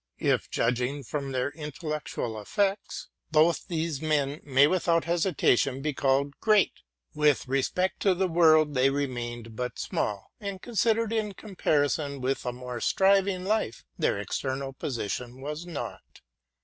If. judging from their intellectual effects, both these men may without hesitation be called great, with respect to the world they remained but small, and, considered in comparison with a more stirring life, their external position was nought.